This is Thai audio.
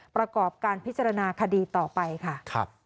ประกอบการพิจารณาคดีต่อไปค่ะ